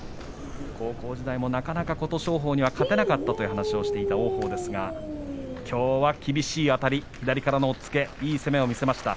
高校時代もなかなか琴勝峰には勝てなかったという話をしていた王鵬ですがきょうは厳しいあたり、左からの押っつけ、いい攻めを見せました。